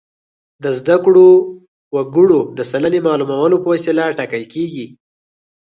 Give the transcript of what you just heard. د زده کړو وګړو د سلنې معلومولو په وسیله ټاکل کیږي.